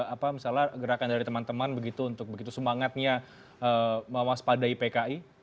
apa misalnya gerakan dari teman teman begitu untuk begitu semangatnya mewaspadai pki